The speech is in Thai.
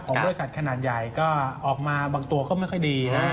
บริษัทขนาดใหญ่ก็ออกมาบางตัวก็ไม่ค่อยดีนะ